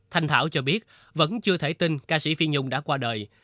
thanh thảo cho biết vẫn chưa thể tin ca sĩ phi nhung đã qua đời